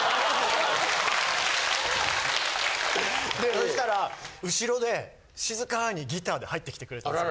そしたら後ろで静かにギターで入ってきてくれたんです。